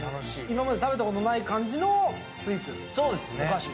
今まで食べたことない感じのスイーツ、お菓子？